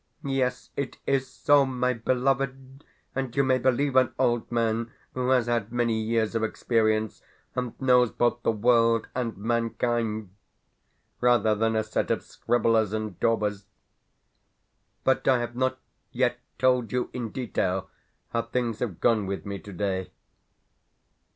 Yes, it is so, my beloved, and you may believe an old man who has had many years of experience, and knows both the world and mankind, rather than a set of scribblers and daubers. But I have not yet told you in detail how things have gone with me today.